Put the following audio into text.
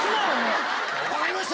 分かりました！